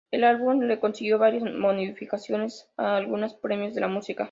El álbum le consiguió varias nominaciones a algunos premios de la música.